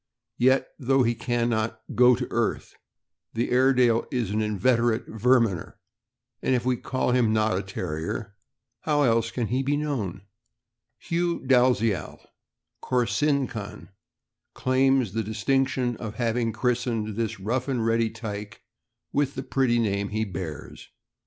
Yet, though he cannot "go to earth," the Airedale is an inveterate verminer; and if we call him not a Terrier, how else can he be known \ Hugh Dalziel ('' Corsincon ") claims the distinction of having christened this rough and ready tyke with the pretty name he bears.